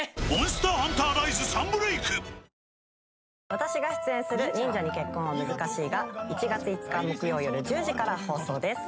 私が出演する『忍者に結婚は難しい』が１月５日木曜夜１０時から放送です。